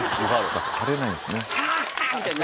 張れないんですね。